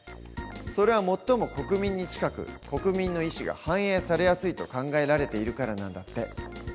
それは最も国民に近く国民の意思が反映されやすいと考えられているからなんだって。